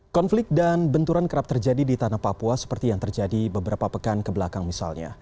konflik dan benturan kerap terjadi di tanah papua seperti yang terjadi beberapa pekan kebelakang misalnya